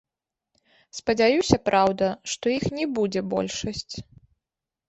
Спадзяюся, праўда, што іх не будзе большасць.